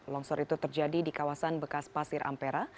longsor itu terjadi di kawasan bekas pasir ampera